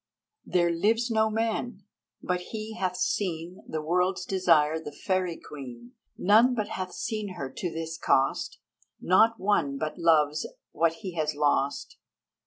There lives no man but he hath seen The World's Desire, the fairy queen. None but hath seen her to his cost, Not one but loves what he has lost.